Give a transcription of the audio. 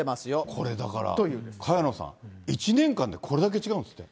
これだから、萱野さん、１年間でこれだけ違うんですって。